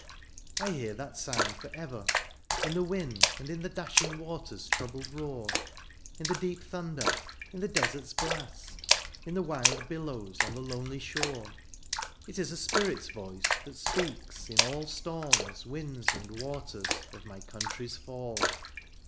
I hear that sound for ever — ^in the wind. And in the dashing water's troubled roar — In the deep thunder — in the deserfs blast — In the wild billows on the lonely shore — It is a spirit's voice that speaks in all Storms, winds, and waters, of my country^s fell.